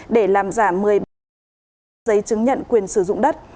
để làm giảm một mươi giấy chứng nhận quyền sử dụng đất